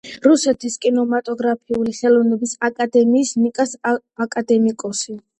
რუსეთის კინემატოგრაფიული ხელოვნების აკადემიის „ნიკას“ აკადემიკოსი.